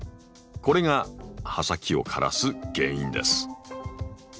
これが葉先を枯らす原因です。